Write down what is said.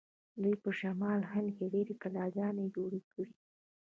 دوی په شمالي هند کې ډیرې کلاګانې جوړې کړې.